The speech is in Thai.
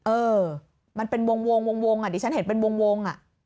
เออมันเป็นวงอ่ะดิฉันเห็นเป็นวง